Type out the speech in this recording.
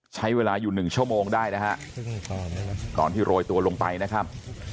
ใช้เวลาอยู่๑ชั่วโมงได้นะฮะตอนที่โรยตัวลงไปนะครับ